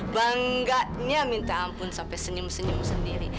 bangganya minta ampun sampai senyum senyum sendiri